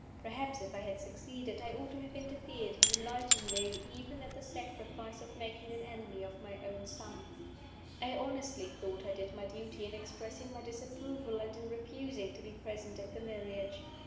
Perhaps, if I had succeeded, I ought to have interfered and enlightened you, even at the sad sacrifice of making an enemy of my own son. I honestly thought I did my duty in expressing my disapproval, and in refusing to be present at the marriage.